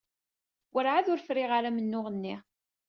Werɛad ur friɣ ara amennuɣ-nni.